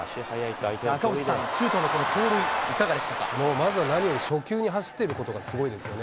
赤星さん、もうまずは何より初球に走ってることがすごいですよね。